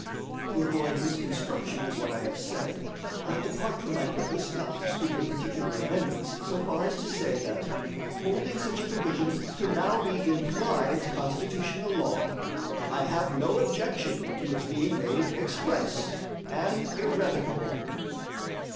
To avoid misconstruction of what I have said, I depart from my purpose not to speak of particular amendments so far as to say that, holding such a provision to now be implied Constitutional law, I have no objection to its being made express and irrevocable.